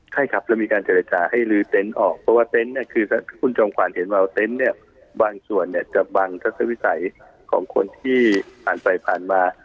ใช่ครับเรามีการเจรจาให้ลื้อเต็นต์ออกเพราะว่าเต็นต์เนี่ยคือคุณจอมขวัญเห็นว่าเต็นต์เนี่ยบางส่วนเนี่ยจะบังทัศวิสัยของคนที่ผ่านไปผ่านมา